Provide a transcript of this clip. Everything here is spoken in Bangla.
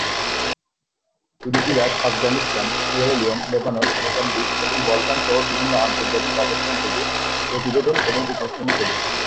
তিনি Iraq, Afghanistan, Sierra Leone, Lebanon, Mozambique এবং বলকান সহ বিভিন্ন আন্তর্জাতিক অবস্থান থেকে প্রতিবেদন এবং উপস্থাপন করেছেন।